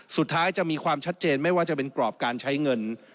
สุดท้ายจะมีความชัดเจนไม่ว่าจะเป็นกรอบการใช้เงิน